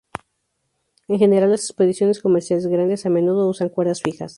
En general, las expediciones comerciales grandes a menudo usan cuerdas fijas.